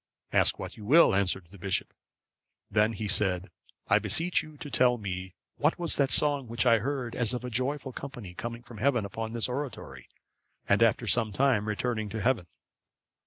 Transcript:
—"Ask what you will," answered the bishop. Then he said, "I beseech you to tell me what was that song which I heard as of a joyful company coming from heaven upon this oratory, and after some time returning to heaven?"